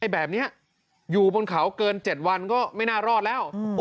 แบบนี้อยู่บนเขาเกิน๗วันก็ไม่น่ารอดแล้ว